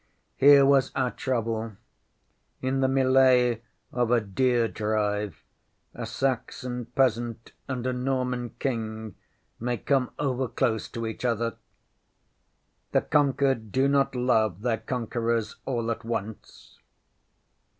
Here was our trouble! In the mellay of a deer drive a Saxon peasant and a Norman King may come over close to each other. The conquered do not love their conquerors all at once.